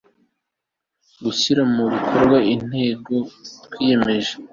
gushyira mu bikorwa intego twiyemeje